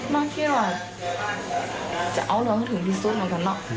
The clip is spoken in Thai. นอกเที่ยวอ่ะจะเอาเรืองถึงที่สุดเหมือนกันเนอะ